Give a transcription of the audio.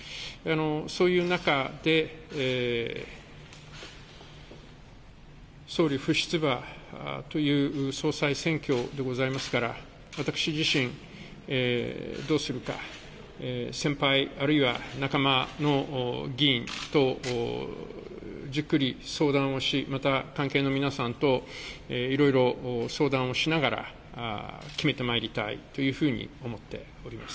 そういう中で、総理不出馬という総裁選挙でございますから、私自身、どうするか、先輩あるいは仲間の議員とじっくり相談をし、また関係の皆さんといろいろ相談をしながら、決めてまいりたいというふうに思っております。